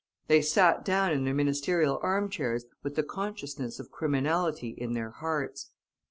They sat down in their ministerial armchairs with the consciousness of criminality in their hearts.